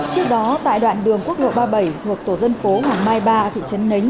trước đó tại đoạn đường quốc lộ ba mươi bảy thuộc tổ dân phố hoàng mai ba thị trấn nến